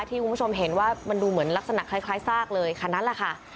คุณผู้ชมเห็นว่ามันดูเหมือนลักษณะคล้ายซากเลยคันนั้นแหละค่ะ